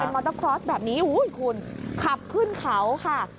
มอเตอร์คลอสแบบนี้คุณขับขึ้นเขาค่ะ